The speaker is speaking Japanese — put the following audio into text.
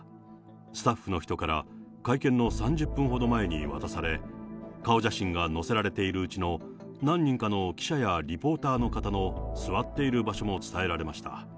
スタッフの人から、会見の３０分ほど前に渡され、顔写真が載せられているうちの何人かの記者やリポーターの方の座っている場所も伝えられました。